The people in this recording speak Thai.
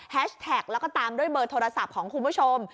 แท็กแล้วก็ตามด้วยเบอร์โทรศัพท์ของคุณผู้ชม